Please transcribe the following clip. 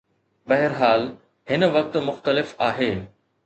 بهرحال، هن وقت مختلف آهي.